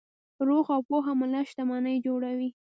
روغ او پوهه ملت شتمني جوړوي.